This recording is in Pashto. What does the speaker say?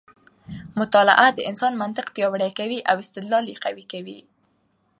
مطالعه د انسان منطق پیاوړی کوي او استدلال یې قوي کوي.